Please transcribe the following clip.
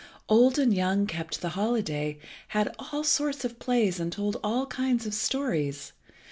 Old and young kept the holiday, had all sorts of plays, and told all kinds of stories.